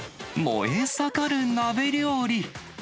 燃え盛る鍋料理。